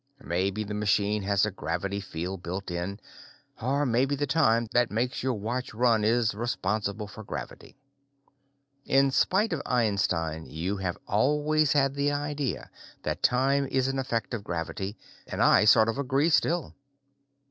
Maybe the machine has a gravity field built in, or maybe the time that makes your watch run is responsible for gravity. In spite of Einstein, you have always had the idea that time is an effect of gravity, and I sort of agree, still.